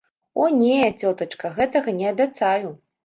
О не, цётачка, гэтага не абяцаю.